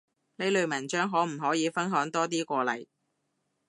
呢類文章可唔可以分享多啲過嚟？